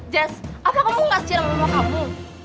jas apa kamu gak kasihan sama mama kamu